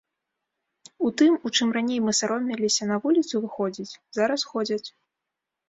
У тым, у чым раней мы саромеліся на вуліцу выходзіць, зараз ходзяць.